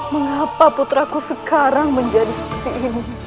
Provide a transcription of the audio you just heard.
mengapa putra ku sekarang menjadi seperti ini